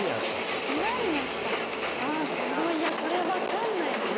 いやこれ分かんないです。